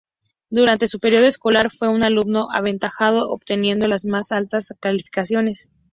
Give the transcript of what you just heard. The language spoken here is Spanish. Durante su periodo escolar fue un alumno aventajado, obteniendo las más altas calificaciones.